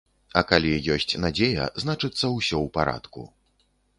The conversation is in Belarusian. А калі ёсць надзея, значыцца, усё ў парадку.